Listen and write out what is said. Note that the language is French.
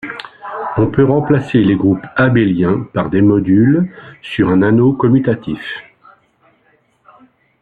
On peut remplacer les groupes abéliens par des modules sur un anneau commutatif.